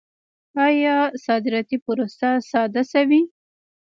آیا صادراتي پروسه ساده شوې؟